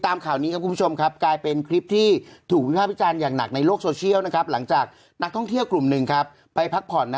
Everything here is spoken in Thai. ข่าวนี้ครับคุณผู้ชมครับกลายเป็นคลิปที่ถูกวิภาควิจารณ์อย่างหนักในโลกโซเชียลนะครับหลังจากนักท่องเที่ยวกลุ่มหนึ่งครับไปพักผ่อน